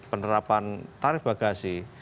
penerapan tarif bagasi